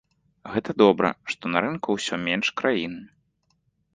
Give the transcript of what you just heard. Гэта добра, што на рынку ўсё менш краін.